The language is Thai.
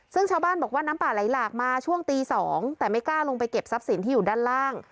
ซึ่งชาวบ้านบอกว่าน้ำป่าไหลหลากมาช่วงตี๒แต่ไม่กล้าลงไปเก็บทรัพย์สินที่อยู่ด้านล่าง